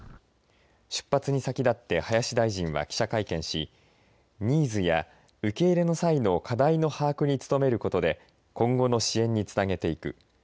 出発に先立って林大臣は記者会見しニーズや受け入れの際の課題の把握に努めることで今後の支援につなげていく。